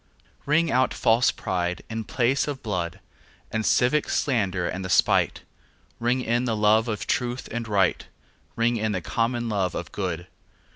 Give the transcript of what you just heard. Ring out false pride in place and blood, The civic slander and the spite; Ring in the love of truth and right, Ring in the common love of good.